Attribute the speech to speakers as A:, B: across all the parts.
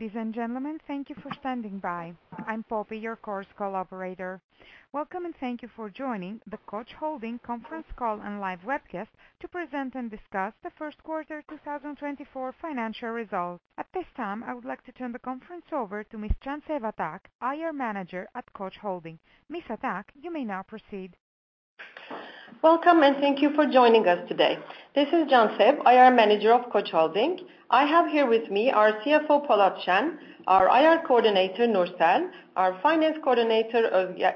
A: Ladies and gentlemen, thank you for standing by. I'm Poppy, your Chorus Call operator. Welcome and thank you for joining the Koç Holding conference call and live webcast to present and discuss the first quarter 2024 financial results. At this time, I would like to turn the conference over to Ms. Cansev Atak, IR Manager at Koç Holding. Ms. Atak, you may now proceed.
B: Welcome and thank you for joining us today. This is Cansev, IR Manager of Koç Holding. I have here with me our CFO, Polat Şen, our IR Coordinator, Nursel, our Finance Coordinator,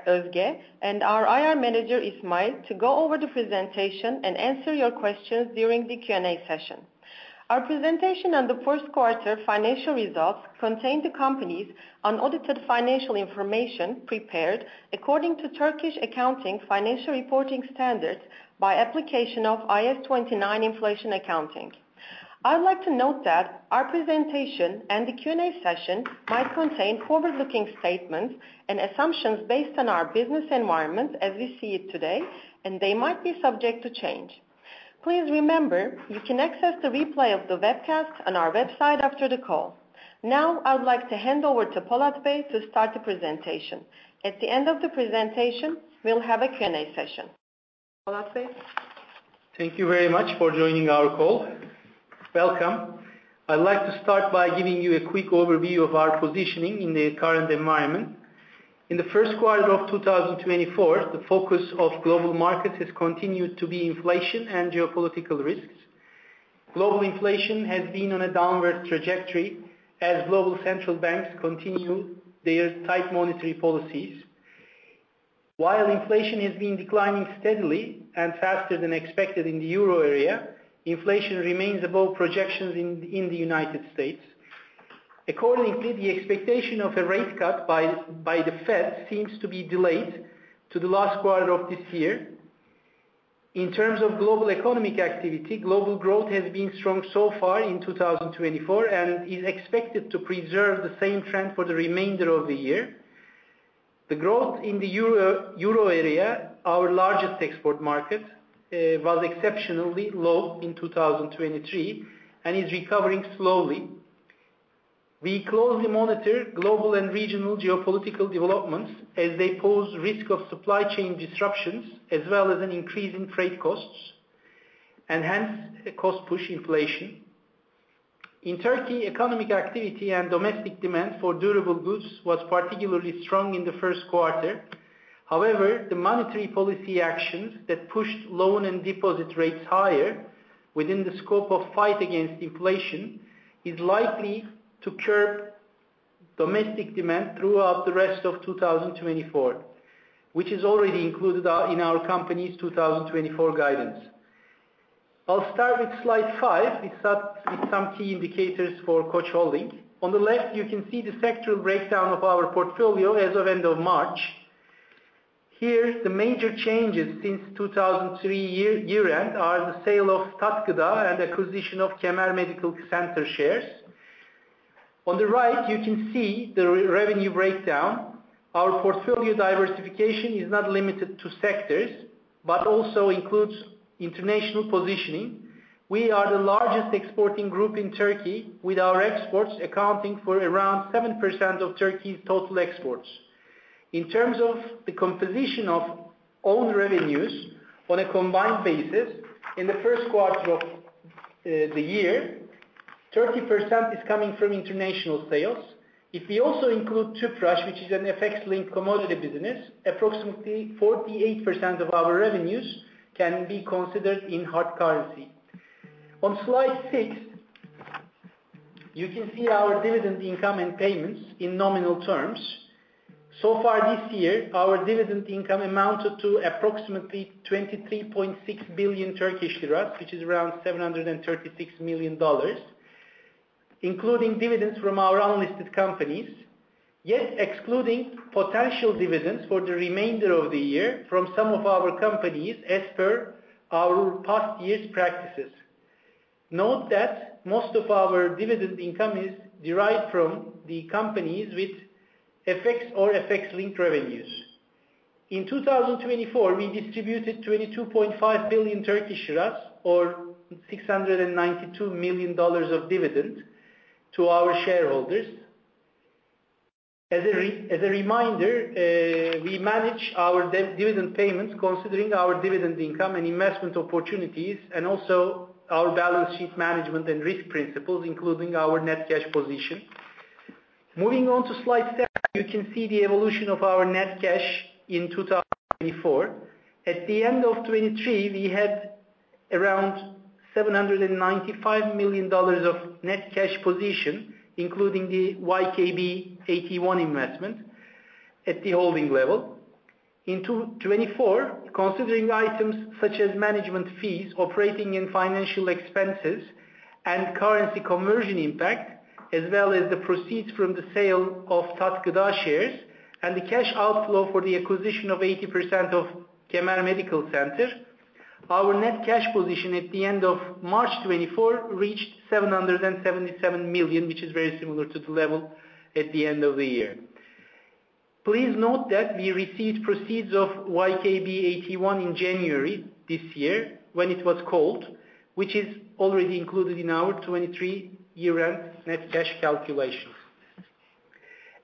B: Özge, and our IR Manager, İsmail, to go over the presentation and answer your questions during the Q&A session. Our presentation on the first quarter financial results contains the company's unaudited financial information prepared according to Turkish accounting financial reporting standards by application of IAS 29 Inflation Accounting. I would like to note that our presentation and the Q&A session might contain forward-looking statements and assumptions based on our business environment as we see it today, and they might be subject to change. Please remember, you can access the replay of the webcast on our website after the call. Now, I would like to hand over to Polat Bey to start the presentation. At the end of the presentation, we'll have a Q&A session. Polat Bey?
C: Thank you very much for joining our call. Welcome. I'd like to start by giving you a quick overview of our positioning in the current environment. In the first quarter of 2024, the focus of global markets has continued to be inflation and geopolitical risks. Global inflation has been on a downward trajectory as global central banks continue their tight monetary policies. While inflation has been declining steadily and faster than expected in the Euro Area, inflation remains above projections in the United States. Accordingly, the expectation of a rate cut by the Fed seems to be delayed to the last quarter of this year. In terms of global economic activity, global growth has been strong so far in 2024 and is expected to preserve the same trend for the remainder of the year. The growth in the Euro Area, our largest export market, was exceptionally low in 2023 and is recovering slowly. We closely monitor global and regional geopolitical developments as they pose risks of supply chain disruptions as well as an increase in trade costs and hence a cost-push inflation. In Turkey, economic activity and domestic demand for durable goods was particularly strong in the first quarter. However, the monetary policy actions that pushed loan and deposit rates higher within the scope of fight against inflation are likely to curb domestic demand throughout the rest of 2024, which is already included in our company's 2024 guidance. I'll start with slide five with some key indicators for Koç Holding. On the left, you can see the sectoral breakdown of our portfolio as of end of March. Here, the major changes since 2003 year-end are the sale of Tat Gıda and acquisition of Kemer Medical Center shares. On the right, you can see the revenue breakdown. Our portfolio diversification is not limited to sectors but also includes international positioning. We are the largest exporting group in Turkey, with our exports accounting for around 7% of Turkey's total exports. In terms of the composition of own revenues, on a combined basis, in the first quarter of the year, 30% is coming from international sales. If we also include Tüpraş, which is an FX-linked commodity business, approximately 48% of our revenues can be considered in hard currency. On slide six, you can see our dividend income and payments in nominal terms. So far this year, our dividend income amounted to approximately 23.6 billion Turkish lira, which is around $736 million, including dividends from our unlisted companies, yet excluding potential dividends for the remainder of the year from some of our companies as per our past year's practices. Note that most of our dividend income is derived from the companies with FX or FX-linked revenues. In 2024, we distributed 22.5 billion, or $692 million, of dividend to our shareholders. As a reminder, we manage our dividend payments considering our dividend income and investment opportunities and also our balance sheet management and risk principles, including our net cash position. Moving on to slide seven, you can see the evolution of our net cash in 2024. At the end of 2023, we had around $795 million of net cash position, including the YKB AT1 investment at the holding level. In 2024, considering items such as management fees, operating and financial expenses, and currency conversion impact, as well as the proceeds from the sale of Tat Gıda shares and the cash outflow for the acquisition of 80% of Kemer Medical Center, our net cash position at the end of March 2024 reached $777 million, which is very similar to the level at the end of the year. Please note that we received proceeds of YKB AT1 in January this year when it was called, which is already included in our 2023 year-end net cash calculation.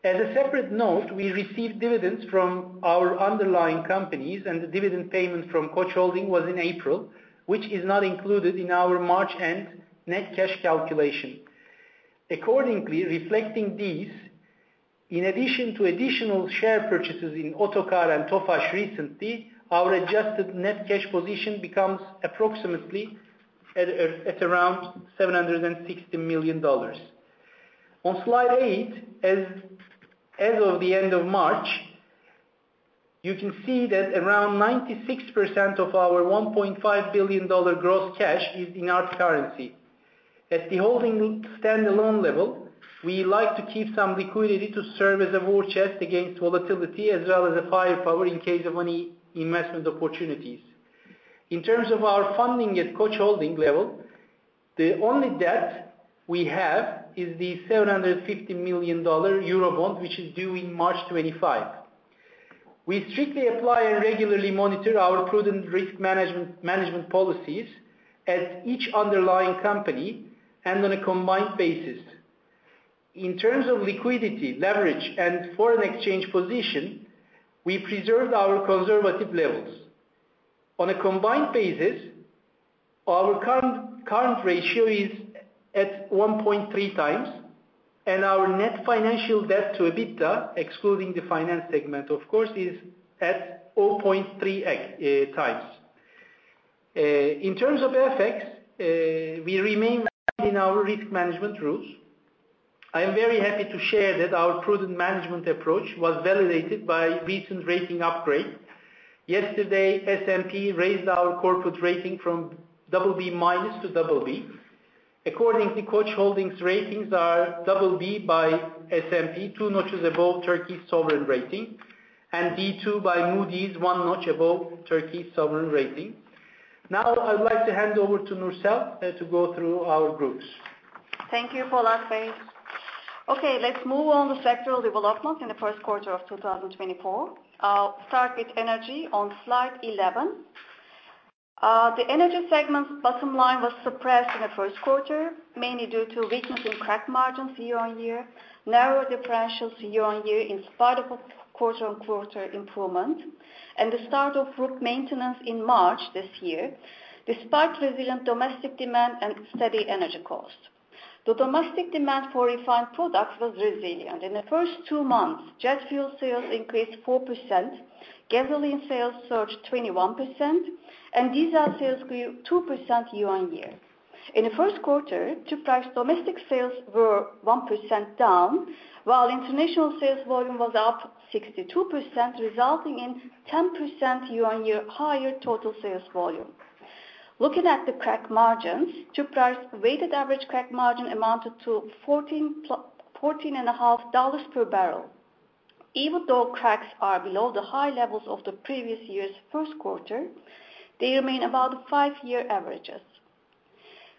C: As a separate note, we received dividends from our underlying companies, and the dividend payment from Koç Holding was in April, which is not included in our March-end net cash calculation. Accordingly, reflecting these, in addition to additional share purchases in Otokar and Tofaş recently, our adjusted net cash position becomes approximately at around $760 million. On slide eight, as of the end of March, you can see that around 96% of our $1.5 billion gross cash is in hard currency. At the holding standalone level, we like to keep some liquidity to serve as a war chest against volatility as well as a firepower in case of any investment opportunities. In terms of our funding at Koç Holding level, the only debt we have is the $750 million Eurobond, which is due in March 2025. We strictly apply and regularly monitor our prudent risk management policies at each underlying company and on a combined basis. In terms of liquidity, leverage, and foreign exchange position, we preserved our conservative levels. On a combined basis, our current ratio is at 1.3x, and our net financial debt to EBITDA, excluding the finance segment, of course, is at 0.3x. In terms of FX, we remain in our risk management rules. I am very happy to share that our prudent management approach was validated by recent rating upgrade. Yesterday, S&P raised our corporate rating from BB minus to BB. Accordingly, Koç Holding's ratings are BB by S&P, two notches above Turkey's sovereign rating, and B2 by Moody's, one notch above Turkey's sovereign rating. Now, I'd like to hand over to Nursel to go through our groups.
D: Thank you, Polat Bey. Okay, let's move on to sectoral developments in the first quarter of 2024. I'll start with energy on slide 11. The energy segment's bottom line was suppressed in the first quarter, mainly due to weakness in crack margins year-on-year, narrower differentials year-on-year in spite of quarter-on-quarter improvement, and the start of routine maintenance in March this year, despite resilient domestic demand and steady energy costs. The domestic demand for refined products was resilient. In the first two months, jet fuel sales increased 4%, gasoline sales surged 21%, and diesel sales grew 2% year-on-year. In the first quarter, Tüpraş's domestic sales were 1% down, while international sales volume was up 62%, resulting in 10% year-on-year higher total sales volume. Looking at the crack margins, Tüpraş's weighted average crack margin amounted to $14.5 per barrel. Even though cracks are below the high levels of the previous year's first quarter, they remain above the five-year averages.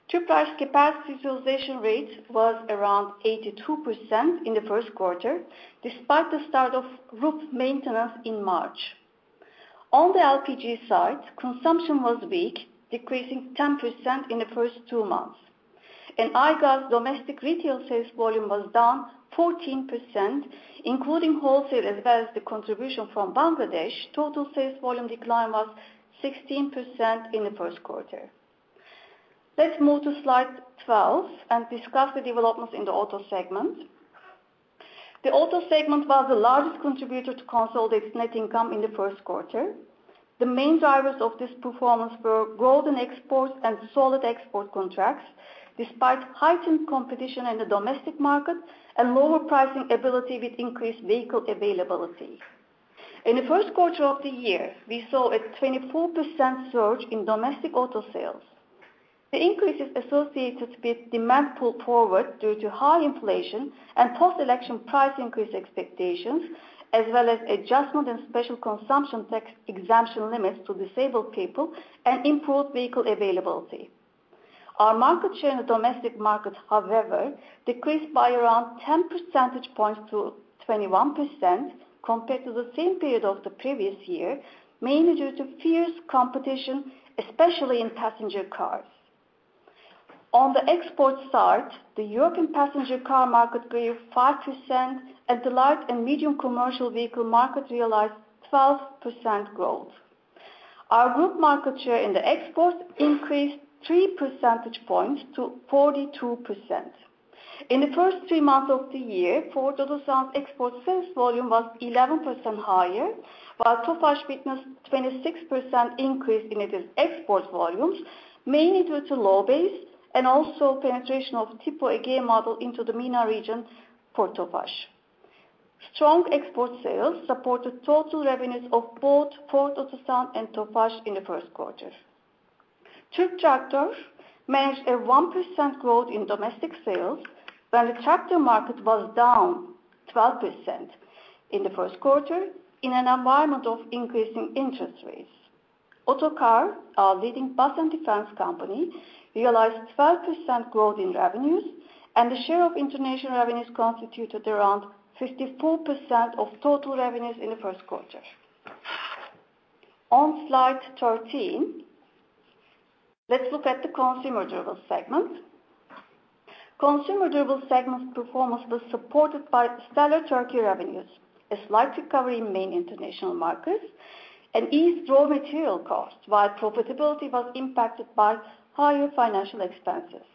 D: Tüpraş's capacity utilization rate was around 82% in the first quarter, despite the start of routine maintenance in March. On the LPG side, consumption was weak, decreasing 10% in the first two months, and Aygaz's domestic retail sales volume was down 14%, including wholesale as well as the contribution from Bangladesh. Total sales volume decline was 16% in the first quarter. Let's move to slide 12 and discuss the developments in the auto segment. The auto segment was the largest contributor to consolidated net income in the first quarter. The main drivers of this performance were volume exports and solid export contracts, despite heightened competition in the domestic market and lower pricing ability with increased vehicle availability. In the first quarter of the year, we saw a 24% surge in domestic auto sales. The increase is associated with demand pull forward due to high inflation and post-election price increase expectations, as well as adjustment and special consumption tax exemption limits to disabled people and improved vehicle availability. Our market share in the domestic market, however, decreased by around 10 percentage points to 21% compared to the same period of the previous year, mainly due to fierce competition, especially in passenger cars. On the export side, the European passenger car market grew 5%, and the light and medium commercial vehicle market realized 12% growth. Our group market share in the exports increased 3 percentage points to 42%. In the first three months of the year, Ford Otosan's export sales volume was 11% higher, while Tofaş witnessed a 26% increase in its export volumes, mainly due to low base and also penetration of Fiat Tipo model into the MENA region for Tofaş. Strong export sales supported total revenues of both Ford Otosan and Tofaş in the first quarter. Türk Traktör managed a 1% growth in domestic sales when the tractor market was down 12% in the first quarter in an environment of increasing interest rates. Otokar, our leading bus and defense company, realized 12% growth in revenues, and the share of international revenues constituted around 54% of total revenues in the first quarter. On slide 13, let's look at the consumer durables segment. Consumer durables segment performance was supported by stellar Turkey revenues, a slight recovery in main international markets, and eased raw material costs, while profitability was impacted by higher financial expenses.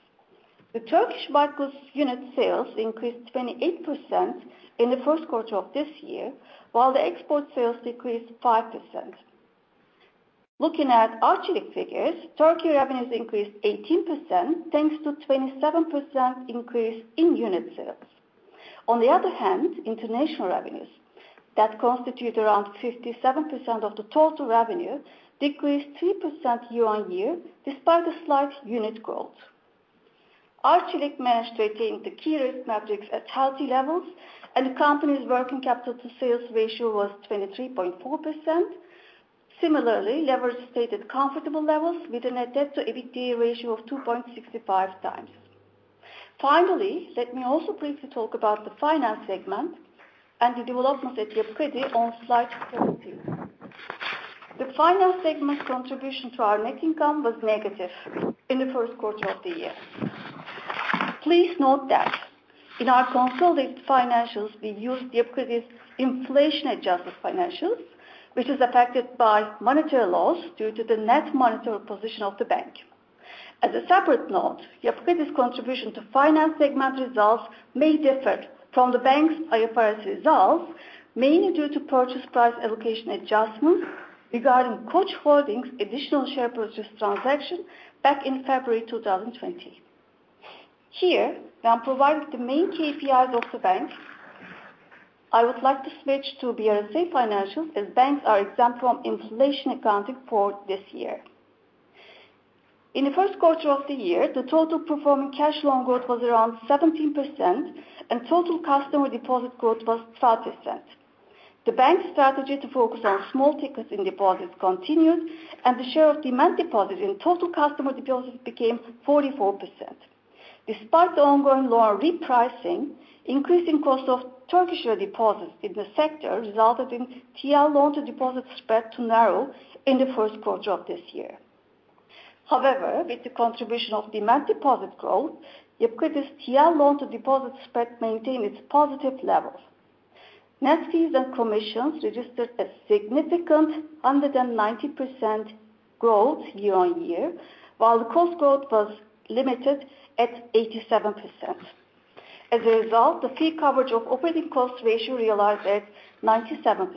D: The Turkish white goods unit sales increased 28% in the first quarter of this year, while the export sales decreased 5%. Looking at Arçelik figures, Turkey revenues increased 18% thanks to a 27% increase in unit sales. On the other hand, international revenues that constitute around 57% of the total revenue decreased 3% year-on-year despite a slight unit growth. Arçelik managed to attain the key risk metrics at healthy levels, and the company's working capital to sales ratio was 23.4%. Similarly, leverage stayed at comfortable levels within a debt-to-EBITDA ratio of 2.65x. Finally, let me also briefly talk about the finance segment and the developments at Yapı Kredi on slide 14. The finance segment's contribution to our net income was negative in the first quarter of the year. Please note that in our consolidated financials, we used Yapı Kredi's inflation-adjusted financials, which is affected by monetary loss due to the net monetary position of the bank. As a separate note, Yapı Kredi's contribution to finance segment results may differ from the bank's IFRS results, mainly due to purchase price allocation adjustments regarding Koç Holding's additional share purchase transaction back in February 2020. Here, I'm providing the main KPIs of the bank. I would like to switch to BRSA financials as banks are exempt from inflation accounting for this year. In the first quarter of the year, the total performing cash loan growth was around 17%, and total customer deposit growth was 12%. The bank's strategy to focus on small tickets in deposits continued, and the share of demand deposits in total customer deposits became 44%. Despite the ongoing loan repricing, increasing costs of Turkish lira deposits in the sector resulted in TL loan-to-deposit spread to narrow in the first quarter of this year. However, with the contribution of demand deposit growth, Yapı Kredi's TL loan-to-deposit spread maintained its positive level. Net fees and commissions registered a significant over 90% growth year-on-year, while the cost growth was limited at 87%. As a result, the fee coverage of operating cost ratio realized at 97%.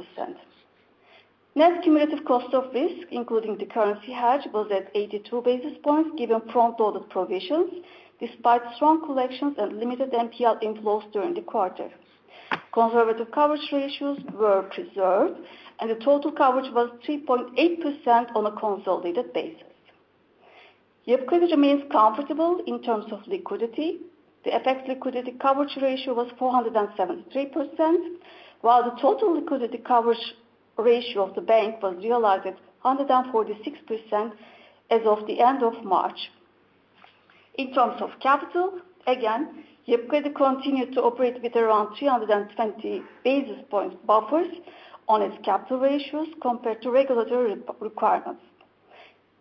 D: Net cumulative cost of risk, including the currency hedge, was at 82 basis points given front-loaded provisions, despite strong collections and limited NPL inflows during the quarter. Conservative coverage ratios were preserved, and the total coverage was 3.8% on a consolidated basis. Yapı Kredi remains comfortable in terms of liquidity. The effective liquidity coverage ratio was 473%, while the total liquidity coverage ratio of the bank was realized at 146% as of the end of March. In terms of capital, again, Yapı Kredi continued to operate with around 320 basis points buffers on its capital ratios compared to regulatory requirements.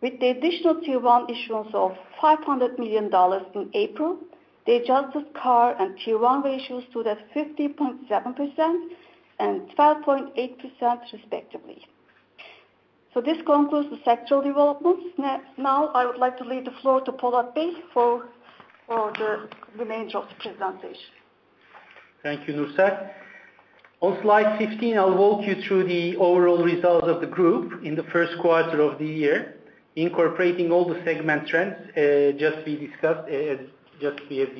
D: With the additional Tier 1 issuance of $500 million in April, the adjusted CAR and Tier 1 ratios stood at 15.7% and 12.8%, respectively. So this concludes the sectoral developments. Now, I would like to leave the floor to Polat Bey for the remainder of the presentation.
C: Thank you, Nursel. On slide 15, I'll walk you through the overall results of the group in the first quarter of the year, incorporating all the segment trends just we discussed. Please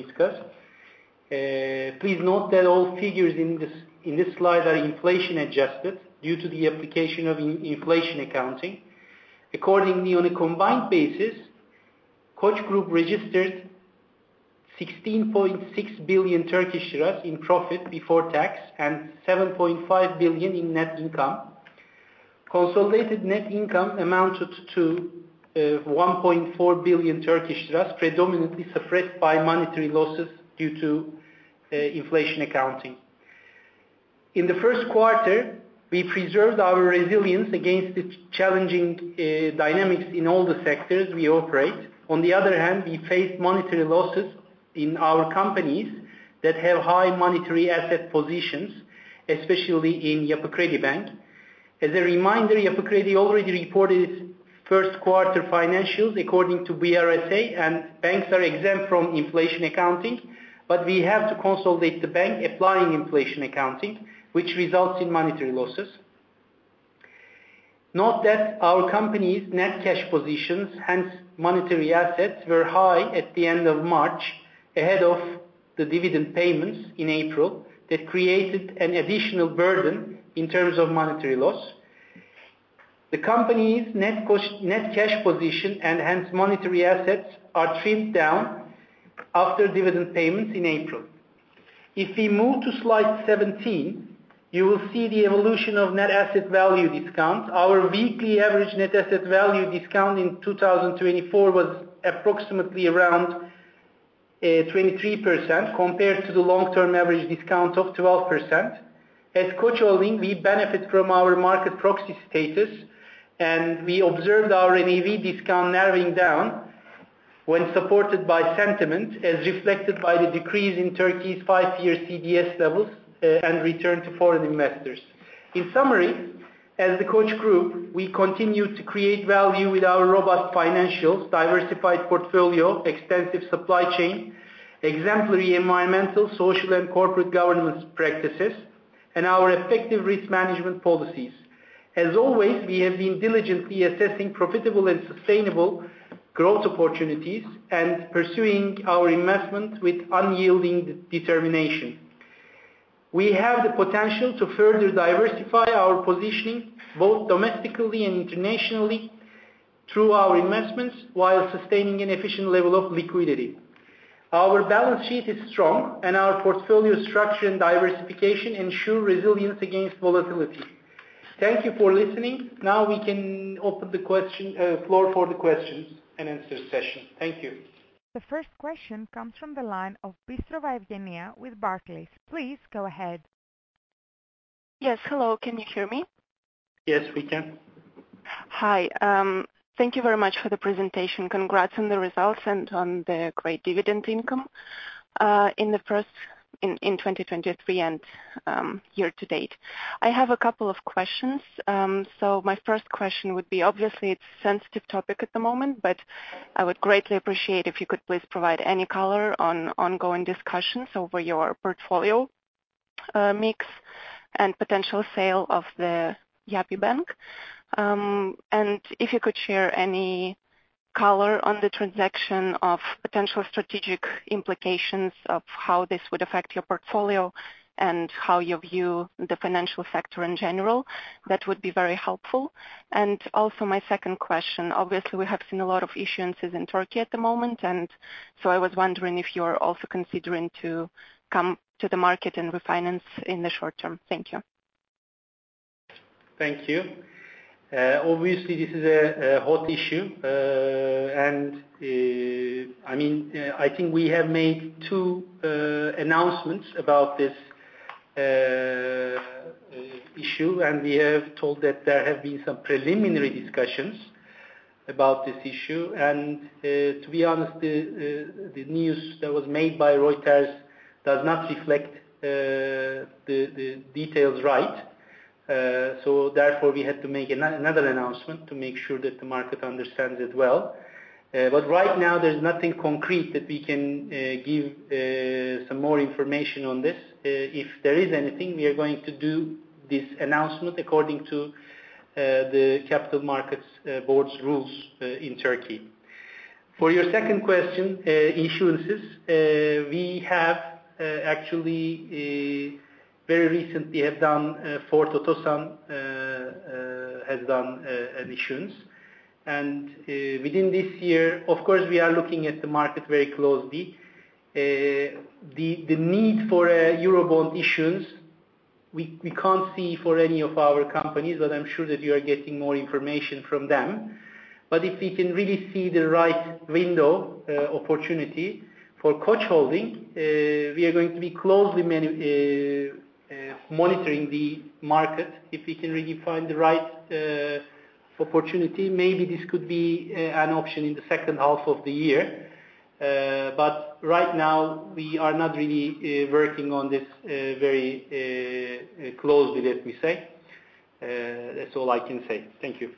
C: note that all figures in this slide are inflation-adjusted due to the application of inflation accounting. Accordingly, on a combined basis, Koç Group registered 16.6 billion in profit before tax and 7.5 billion in net income. Consolidated net income amounted to TRY 1.4 billion, predominantly suppressed by monetary losses due to inflation accounting. In the first quarter, we preserved our resilience against the challenging dynamics in all the sectors we operate. On the other hand, we faced monetary losses in our companies that have high monetary asset positions, especially in Yapı Kredi. As a reminder, Yapı Kredi already reported its first quarter financials according to BRSA, and banks are exempt from inflation accounting, but we have to consolidate the bank applying inflation accounting, which results in monetary losses. Note that our company's net cash positions, hence monetary assets, were high at the end of March ahead of the dividend payments in April that created an additional burden in terms of monetary loss. The company's net cash position and hence monetary assets are trimmed down after dividend payments in April. If we move to slide 17, you will see the evolution of net asset value discounts. Our weekly average net asset value discount in 2024 was approximately around 23% compared to the long-term average discount of 12%. At Koç Holding, we benefit from our market proxy status, and we observed our NAV discount narrowing down when supported by sentiment, as reflected by the decrease in Turkey's five-year CDS levels and return to foreign investors. In summary, as the Koç Group, we continue to create value with our robust financials, diversified portfolio, extensive supply chain, exemplary environmental, social, and corporate governance practices, and our effective risk management policies. As always, we have been diligently assessing profitable and sustainable growth opportunities and pursuing our investments with unyielding determination. We have the potential to further diversify our positioning both domestically and internationally through our investments while sustaining an efficient level of liquidity. Our balance sheet is strong, and our portfolio structure and diversification ensure resilience against volatility. Thank you for listening. Now we can open the floor for the questions-and-answer session. Thank you.
A: The first question comes from the line of Evgeniya Bystrova with Barclays. Please go ahead.
E: Yes, hello. Can you hear me?
C: Yes, we can.
E: Hi. Thank you very much for the presentation. Congrats on the results and on the great dividend income in 2023 and year to date. I have a couple of questions. So my first question would be, obviously, it's a sensitive topic at the moment, but I would greatly appreciate if you could please provide any color on ongoing discussions over your portfolio mix and potential sale of the Yapı Kredi. And if you could share any color on the transaction of potential strategic implications of how this would affect your portfolio and how you view the financial sector in general, that would be very helpful. And also, my second question, obviously, we have seen a lot of issuances in Turkey at the moment, and so I was wondering if you are also considering to come to the market and refinance in the short term. Thank you.
C: Thank you. Obviously, this is a hot issue, and I mean, I think we have made two announcements about this issue, and we have told that there have been some preliminary discussions about this issue, and to be honest, the news that was made by Reuters does not reflect the details right, so therefore, we had to make another announcement to make sure that the market understands it well, but right now, there's nothing concrete that we can give some more information on this. If there is anything, we are going to do this announcement according to the Capital Markets Board's rules in Turkey. For your second question, issuances, we have actually very recently done Ford Otosan, has done an issuance, and within this year, of course, we are looking at the market very closely. The need for a Eurobond issuance, we can't see for any of our companies, but I'm sure that you are getting more information from them. But if we can really see the right window opportunity for Koç Holding, we are going to be closely monitoring the market. If we can really find the right opportunity, maybe this could be an option in the second half of the year. But right now, we are not really working on this very closely, let me say. That's all I can say. Thank you.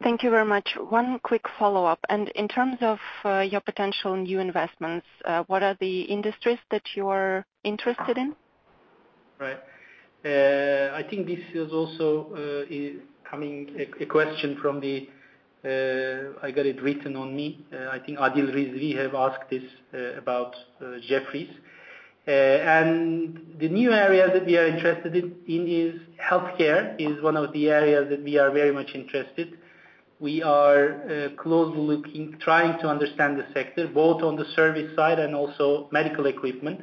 E: Thank you very much. One quick follow-up and in terms of your potential new investments, what are the industries that you are interested in?
C: Right. I think this is also coming as a question from the web. I got it written on me. I think Adil Rizvi have asked this from Jefferies. And the new area that we are interested in is healthcare is one of the areas that we are very much interested. We are closely looking, trying to understand the sector, both on the service side and also medical equipment.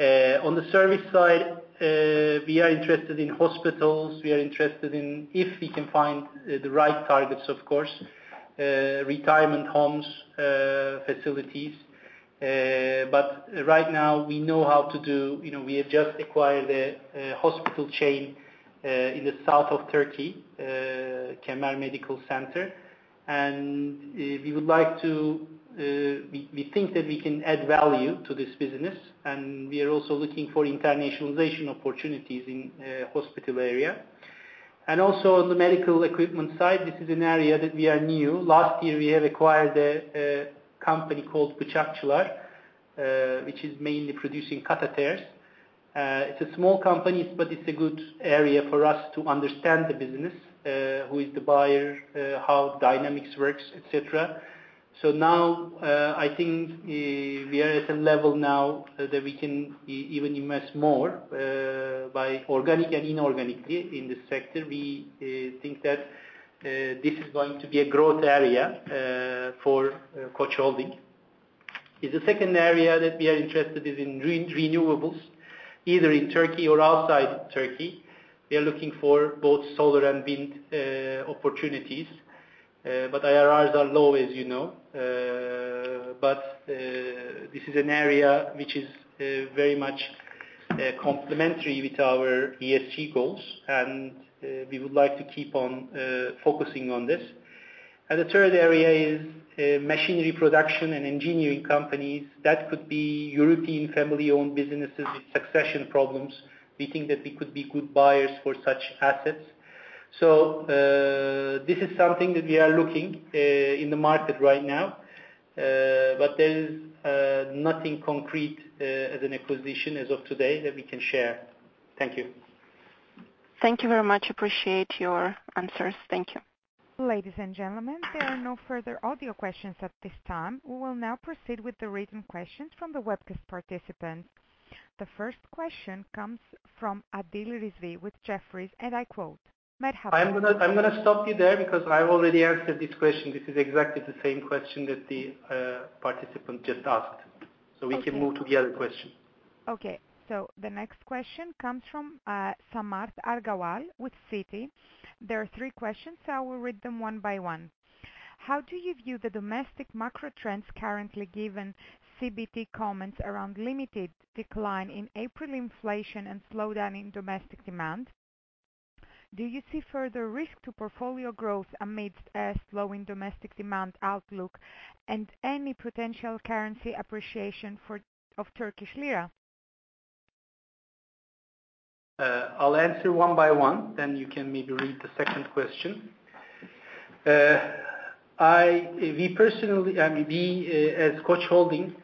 C: On the service side, we are interested in hospitals. We are interested in if we can find the right targets, of course, retirement homes, facilities. But right now, we know how to do. We have just acquired a hospital chain in the south of Turkey, Kemer Medical Center. And we would like to we think that we can add value to this business. And we are also looking for internationalization opportunities in the hospital area. Also on the medical equipment side, this is an area that we are new. Last year, we have acquired a company called Bıçakçılar, which is mainly producing catheters. It's a small company, but it's a good area for us to understand the business, who is the buyer, how dynamics works, etc. So now, I think we are at a level now that we can even invest more by organic and inorganically in this sector. We think that this is going to be a growth area for Koç Holding. The second area that we are interested in is renewables, either in Turkey or outside Turkey. We are looking for both solar and wind opportunities. But IRRs are low, as you know. But this is an area which is very much complementary with our ESG goals, and we would like to keep on focusing on this. The third area is machinery production and engineering companies. That could be European family-owned businesses with succession problems. We think that we could be good buyers for such assets. This is something that we are looking in the market right now. There is nothing concrete as an acquisition as of today that we can share. Thank you.
A: Thank you very much. Appreciate your answers. Thank you. Ladies and gentlemen, there are no further audio questions at this time. We will now proceed with the written questions from the webcast participants. The first question comes from Adil Rizvi with Jefferies, and I quote, "Merhaba.
C: I'm going to stop you there because I've already answered this question. This is exactly the same question that the participant just asked. So we can move to the other question.
A: Okay. So the next question comes from Samarth Agrawal with Citi. There are three questions, so I will read them one by one. How do you view the domestic macro trends currently given CBT comments around limited decline in April inflation and slowdown in domestic demand? Do you see further risk to portfolio growth amidst a slowing domestic demand outlook and any potential currency appreciation for Turkish lira?
C: I'll answer one by one. Then you can maybe read the second question. We personally, I mean, we as Koç Holding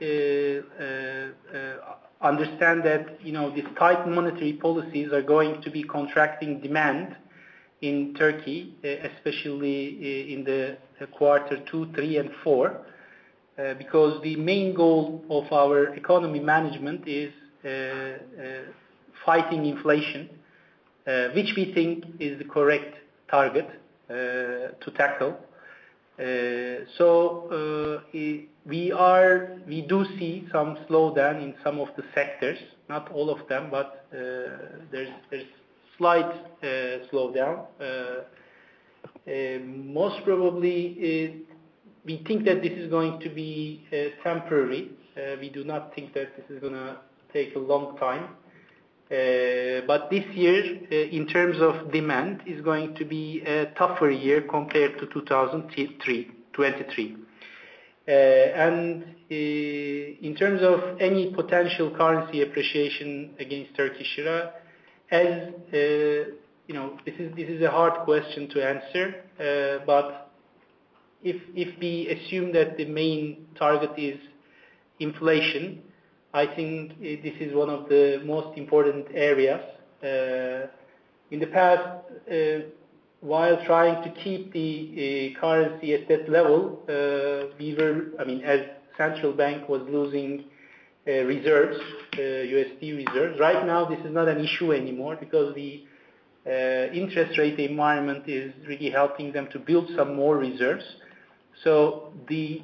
C: understand that these tight monetary policies are going to be contracting demand in Turkey, especially in the quarter two, three, and four, because the main goal of our economy management is fighting inflation, which we think is the correct target to tackle. So we do see some slowdown in some of the sectors, not all of them, but there's slight slowdown. Most probably, we think that this is going to be temporary. We do not think that this is going to take a long time. But this year, in terms of demand, is going to be a tougher year compared to 2023. And in terms of any potential currency appreciation against Turkish lira, this is a hard question to answer. But if we assume that the main target is inflation, I think this is one of the most important areas. In the past, while trying to keep the currency at that level, we were, I mean, as central bank was losing reserves, USD reserves. Right now, this is not an issue anymore because the interest rate environment is really helping them to build some more reserves. So the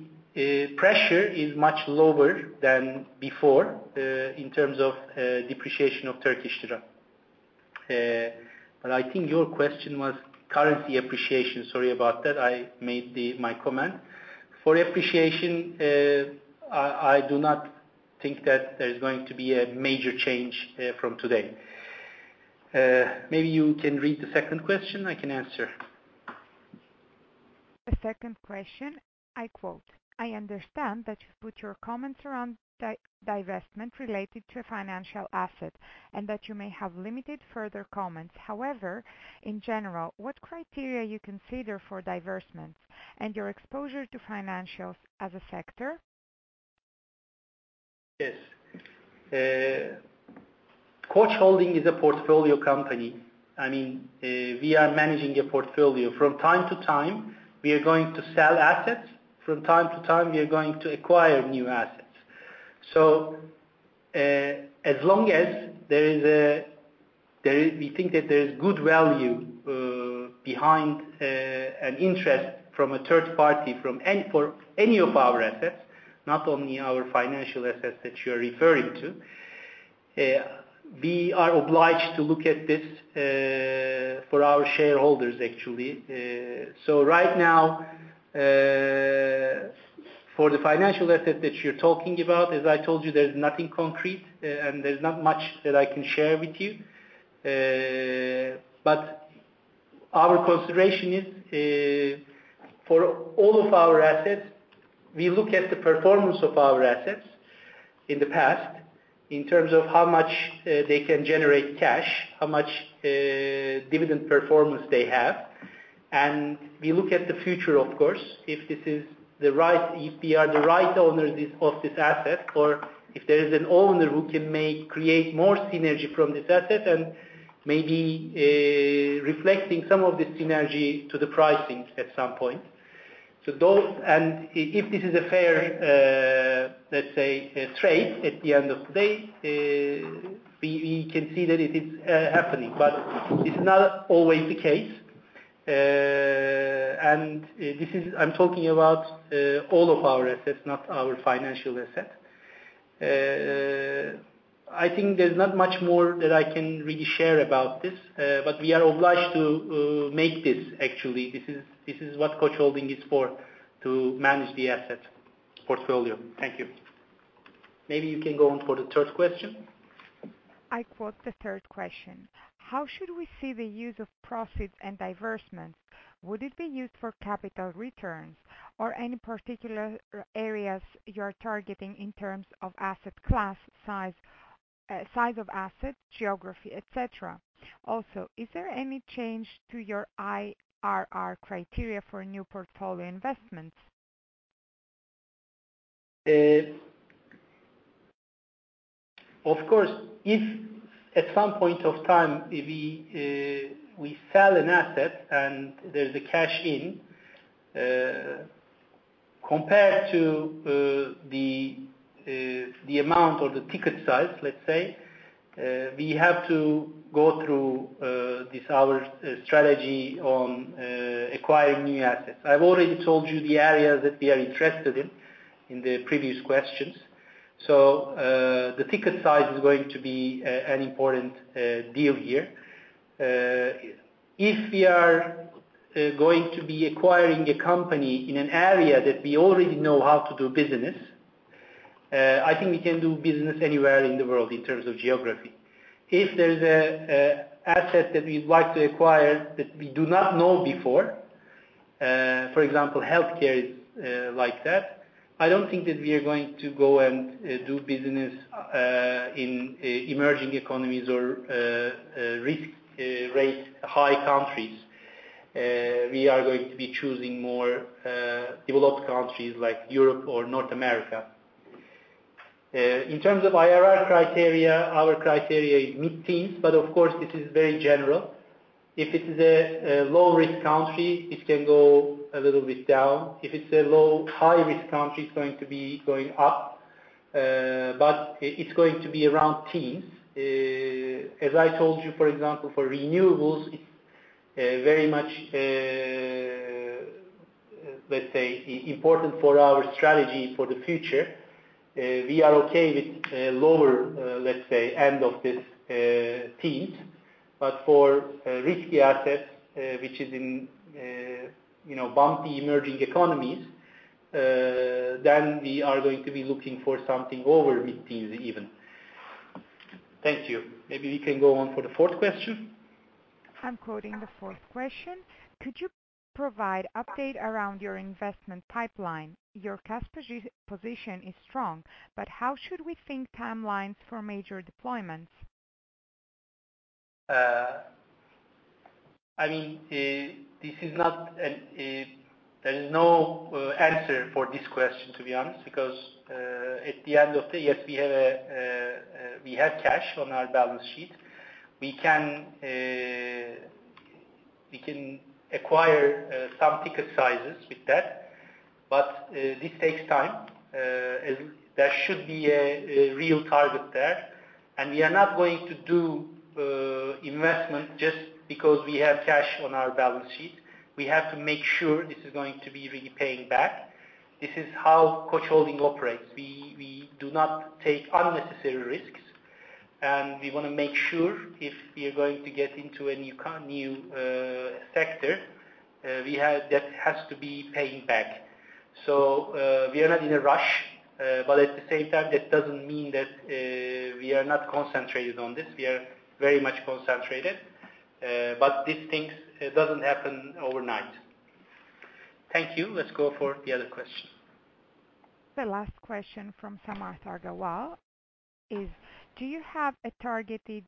C: pressure is much lower than before in terms of depreciation of Turkish lira. But I think your question was currency appreciation. Sorry about that. I made my comment. For appreciation, I do not think that there's going to be a major change from today. Maybe you can read the second question. I can answer.
A: The second question, I quote, "I understand that you put your comments around divestment related to a financial asset and that you may have limited further comments. However, in general, what criteria you consider for divestments and your exposure to financials as a sector?
C: Yes. Koç Holding is a portfolio company. I mean, we are managing a portfolio. From time to time, we are going to sell assets. From time to time, we are going to acquire new assets. So as long as there is a we think that there is good value behind an interest from a third party for any of our assets, not only our financial assets that you are referring to, we are obliged to look at this for our shareholders, actually. So right now, for the financial asset that you're talking about, as I told you, there's nothing concrete, and there's not much that I can share with you. But our consideration is for all of our assets, we look at the performance of our assets in the past in terms of how much they can generate cash, how much dividend performance they have. And we look at the future, of course, if this is the right if we are the right owners of this asset or if there is an owner who can create more synergy from this asset and maybe reflecting some of this synergy to the pricing at some point. And if this is a fair, let's say, trade at the end of the day, we can see that it is happening. But this is not always the case. And I'm talking about all of our assets, not our financial assets. I think there's not much more that I can really share about this, but we are obliged to make this, actually. This is what Koç Holding is for, to manage the asset portfolio. Thank you. Maybe you can go on for the third question.
A: I quote the third question. "How should we see the use of profits and divestments? Would it be used for capital returns or any particular areas you are targeting in terms of asset class, size of asset, geography, etc.? Also, is there any change to your IRR criteria for new portfolio investments?
C: Of course, if at some point of time, we sell an asset and there's a cash in, compared to the amount or the ticket size, let's say, we have to go through this our strategy on acquiring new assets. I've already told you the areas that we are interested in the previous questions. So the ticket size is going to be an important deal here. If we are going to be acquiring a company in an area that we already know how to do business, I think we can do business anywhere in the world in terms of geography. If there is an asset that we'd like to acquire that we do not know before, for example, healthcare is like that, I don't think that we are going to go and do business in emerging economies or high-risk countries. We are going to be choosing more developed countries like Europe or North America. In terms of IRR criteria, our criteria is mid-teens, but of course, this is very general. If it is a low-risk country, it can go a little bit down. If it's a low-high-risk country, it's going to be going up. But it's going to be around teens. As I told you, for example, for renewables, it's very much, let's say, important for our strategy for the future. We are okay with lower, let's say, end of this teens. But for risky assets, which is in bumpy emerging economies, then we are going to be looking for something over mid-teens even. Thank you. Maybe we can go on for the fourth question.
A: I'm quoting the fourth question. "Could you provide an update around your investment pipeline? Your cash position is strong, but how should we think timelines for major deployments?
C: I mean, there is no answer for this question, to be honest, because at the end of the day, yes, we have cash on our balance sheet. We can acquire some ticket sizes with that. But this takes time. There should be a real target there. And we are not going to do investment just because we have cash on our balance sheet. We have to make sure this is going to be really paying back. This is how Koç Holding operates. We do not take unnecessary risks. And we want to make sure if we are going to get into a new sector, that has to be paying back. So we are not in a rush. But at the same time, that doesn't mean that we are not concentrated on this. We are very much concentrated. But these things don't happen overnight. Thank you. Let's go for the other question.
A: The last question from Samarth Agrawal is, "Do you have a targeted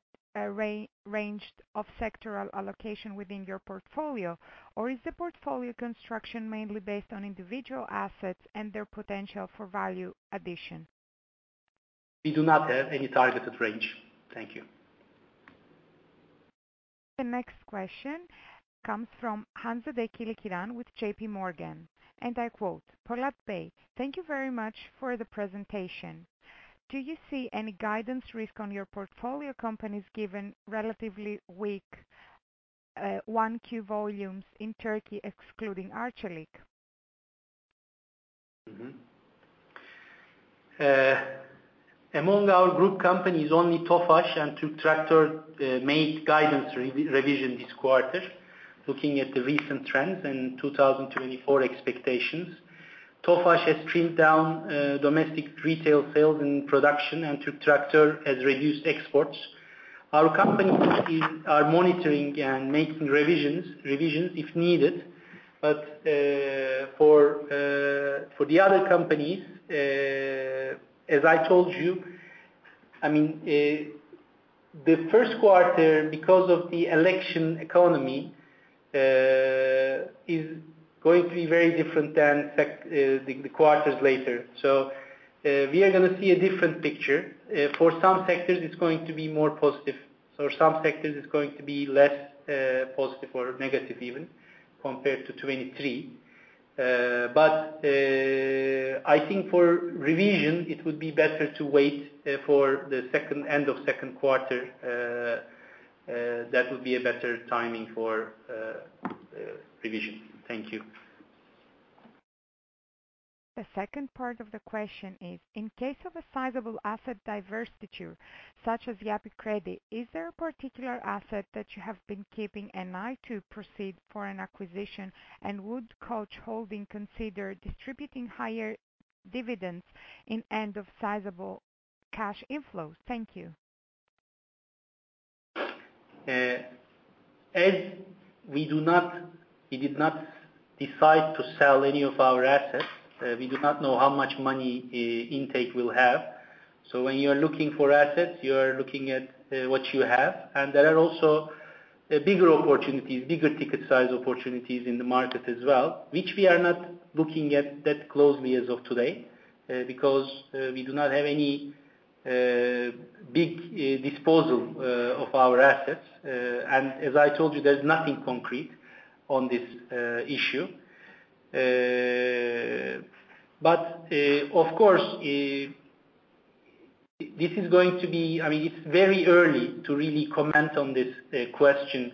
A: range of sectoral allocation within your portfolio, or is the portfolio construction mainly based on individual assets and their potential for value addition?
C: We do not have any targeted range. Thank you.
A: The next question comes from Hanzade Kılıçkıran with J.P. Morgan. And I quote, "Polat Bey, thank you very much for the presentation. Do you see any guidance risk on your portfolio companies given relatively weak 1Q volumes in Turkey, excluding Arçelik?
C: Among our group companies, only Tofaş and Türk Traktör made guidance revision this quarter, looking at the recent trends and 2024 expectations. Tofaş has trimmed down domestic retail sales and production, and Türk Traktör has reduced exports. Our companies are monitoring and making revisions if needed. But for the other companies, as I told you, I mean, the first quarter, because of the election economy, is going to be very different than the quarters later. So we are going to see a different picture. For some sectors, it's going to be more positive. For some sectors, it's going to be less positive or negative even compared to 2023. But I think for revision, it would be better to wait for the end of second quarter. That would be a better timing for revision. Thank you.
A: The second part of the question is, "In case of a sizable asset divestiture, such as Yapı Kredi, is there a particular asset that you have been keeping an eye to proceed for an acquisition, and would Koç Holding consider distributing higher dividends in end of sizable cash inflows?" Thank you.
C: As we did not decide to sell any of our assets, we do not know how much money intake we'll have. So when you are looking for assets, you are looking at what you have. And there are also bigger opportunities, bigger ticket size opportunities in the market as well, which we are not looking at that closely as of today because we do not have any big disposal of our assets. And as I told you, there's nothing concrete on this issue. But of course, this is going to be. I mean, it's very early to really comment on this question,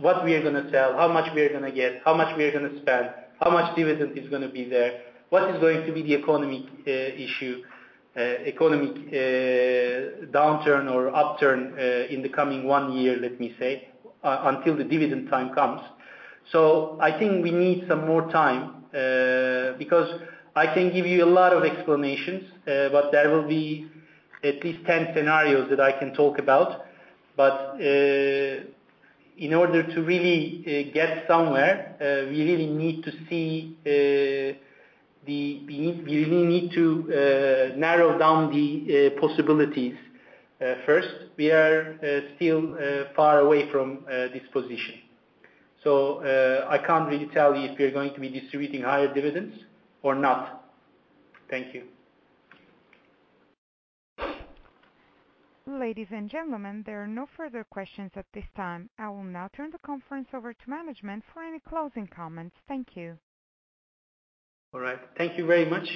C: what we are going to sell, how much we are going to get, how much we are going to spend, how much dividend is going to be there, what is going to be the economic issue, economic downturn or upturn in the coming one year, let me say, until the dividend time comes. So I think we need some more time because I can give you a lot of explanations, but there will be at least 10 scenarios that I can talk about. But in order to really get somewhere, we really need to see. We really need to narrow down the possibilities first. We are still far away from this position. So I can't really tell you if we are going to be distributing higher dividends or not. Thank you.
A: Ladies and gentlemen, there are no further questions at this time. I will now turn the conference over to management for any closing comments. Thank you.
C: All right. Thank you very much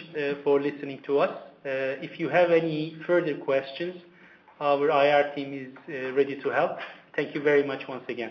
C: for listening to us. If you have any further questions, our IR team is ready to help. Thank you very much once again.